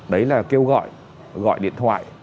đấy là kêu gọi gọi điện thoại